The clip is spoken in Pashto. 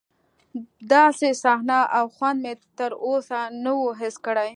داسې صحنه او خوند مې تر اوسه نه و حس کړی.